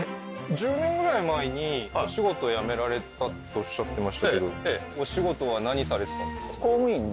１０年ぐらい前にお仕事辞められたっておっしゃってましたけどお仕事は何されてたんですか？